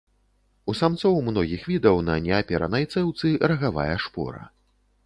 У самцоў многіх відаў на неаперанай цэўцы рагавая шпора.